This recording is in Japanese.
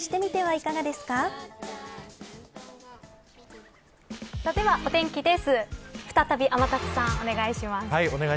それでは、お天気です。